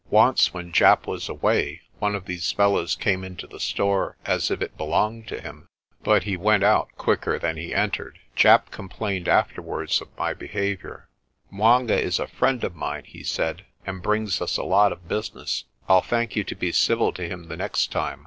Once when Japp was away one of these fellows came into the store as if it belonged to him, but he went out quicker than 48 PRESTER JOHN he entered. Japp complained afterwards of my behaviour. " 'Mwanga is a good friend of mine," he said, "and brings us a lot of business. I'll thank you to be civil to him the next time."